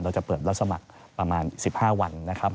เราจะเปิดรับสมัครประมาณ๑๕วันนะครับ